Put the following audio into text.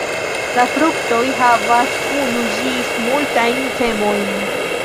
La fruktoj havas unu ĝis multajn semojn.